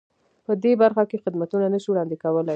په دې برخه کې خدمتونه نه شي وړاندې کولای.